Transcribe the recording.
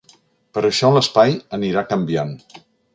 Per això l’espai anirà canviant.